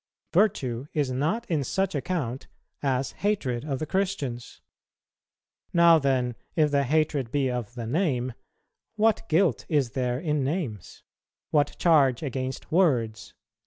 Virtue is not in such account as hatred of the Christians. Now, then, if the hatred be of the name, what guilt is there in names? What charge against words?